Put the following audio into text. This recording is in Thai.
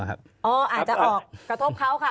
อาจจะออกกระทบเขาค่ะ